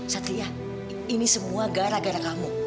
satria ini semua gara gara kamu